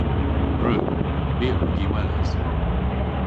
Gwrug. My a wrug y weles.